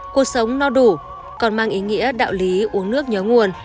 cuộc sống no đủ còn mang ý nghĩa đạo lý uống nước nhớ nguồn